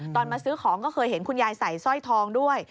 มาซื้อของก็เคยเห็นคุณยายใส่สร้อยทองด้วย